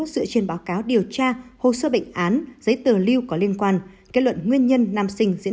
dựa trên báo cáo điều tra hồ sơ bệnh án giấy tờ lưu có liên quan kết luận nguyên nhân nam sinh diễn